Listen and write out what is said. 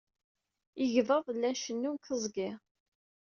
Igḍaḍ llan cennun deg teẓgi.